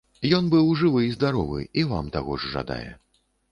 Ён быў жывы і здаровы, і вам таго ж жадае.